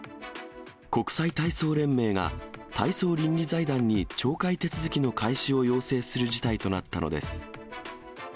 国際体操連盟が体操倫理財団に懲戒手続きの開始を要請する事態となったのです。